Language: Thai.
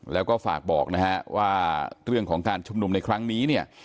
แล้วก็ฝากบอกนะฮะว่าเรื่องของการชุมนุมในครั้งนี้เนี่ย